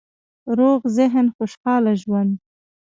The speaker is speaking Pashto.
روغ ذهن، خوشحاله ژوند